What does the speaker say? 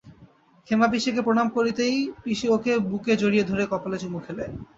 ক্ষেমাপিসিকে প্রণাম করতেই পিসি ওকে বুকে জড়িয়ে ধরে কপালে চুমু খেলে।